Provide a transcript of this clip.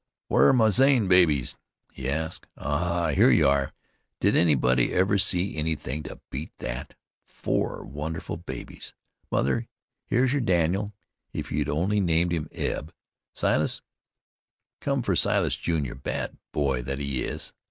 "Where are my Zane babies?" he asked. "Ah! here you are! Did anybody ever see anything to beat that? Four wonderful babies! Mother, here's your Daniel if you'd only named him Eb! Silas, come for Silas junior, bad boy that he is.